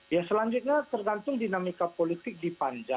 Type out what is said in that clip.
ya selanjutnya tergantung dinamika politik di panja